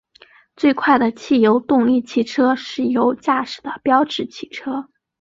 最快的汽油动力汽车是由驾驶的标致汽车。